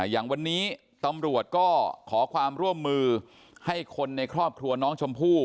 อย่างวันนี้ตำรวจก็ขอความร่วมมือให้คนในครอบครัวน้องชมพู่